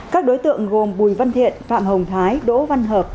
các đối tượng gồm bùi văn thiện phạm hồng thái đỗ văn hợp